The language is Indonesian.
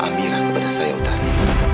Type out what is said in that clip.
amira kepada saya utara